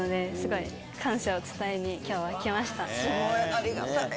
ありがたい。